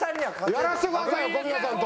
やらせてくださいよ小宮さんと。